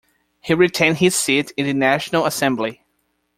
He retained his seat in the National Assembly.